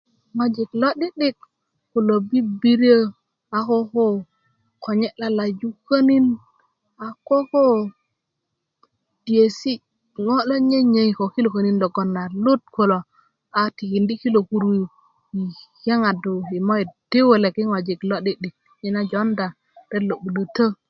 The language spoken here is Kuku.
ŋojik lo'di'dik kulo bibiryö a koko konye' lalaju könin a koko nyesi' ŋo' lo nyönyöi ko ilo könin logoŋ a lut kilo a tikindi' kilo kuru yi yeŋaddu yi moyit di wulek yi ŋojik lo'di'dik nye na jowunda ret lo 'bulötö